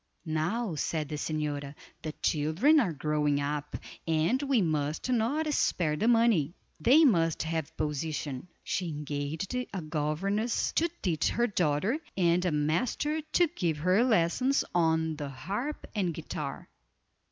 "Now," said the señora, "the children are growing up, and we must not spare the money—they must have position." She engaged a governess to teach her daughter, and a master to give her lessons on the harp and guitar.